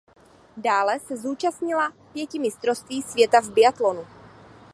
Dále se účastnila pěti mistrovství světa v biatlonu.